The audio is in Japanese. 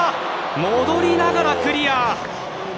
戻りながらクリア！